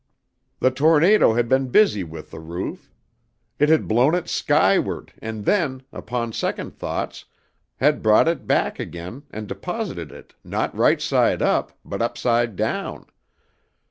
"The tornado had been busy with the roof. It had blown it skyward and then, upon second thoughts, had brought it back again and deposited it not right side up, but upside down.